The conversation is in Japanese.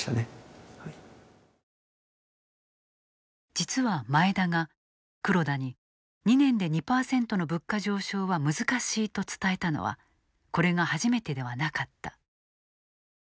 実は前田が黒田に２年で２％の物価上昇は難しいと伝えたのはこれが初めてではなかった。